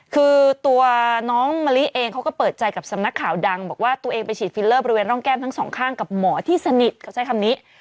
คือตัวน้องมะลิเองเขาก็เปิดใจกับสำนักข่าวดังบอกว่าตัวเองไปฉีดฟิลเลอร์บริเวณร่องแก้มทั้งสองข้างกับหมอที่สนิทเขาใช้คำนี้